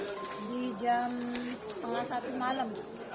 di jam setengah satu malam